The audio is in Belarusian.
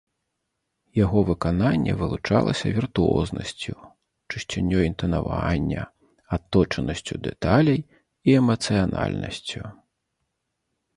Яго выкананне вылучалася віртуознасцю, чысцінёй інтанавання, адточанасцю дэталей і эмацыянальнасцю.